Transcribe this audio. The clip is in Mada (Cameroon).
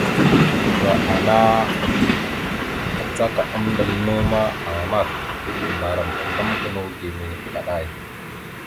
Kəla ana acaka amndal naw ma, amamat. Ndaram azlam gənaw gime kaɗay.